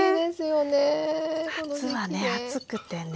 夏はね暑くてね。